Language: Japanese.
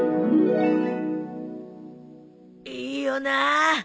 いいよなあ。